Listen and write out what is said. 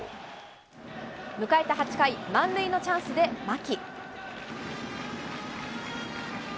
迎えた８回、満塁のチャンスで牧。